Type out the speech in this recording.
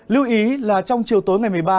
lưu ý là trong chiều tối ngày một mươi ba